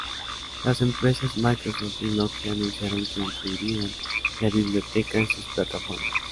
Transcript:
Las empresas Microsoft y Nokia anunciaron que incluirán la biblioteca en sus plataformas.